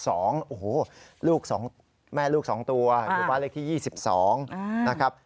โอ้โฮแม่ลูกสองตัวหรือบ้านเลขที่๒๒นะครับ